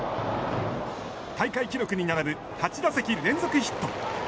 大会記録に並ぶ８打席連続ヒット。